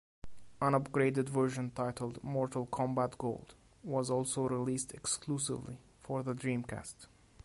An upgraded version titled "Mortal Kombat Gold" was also released exclusively for the Dreamcast.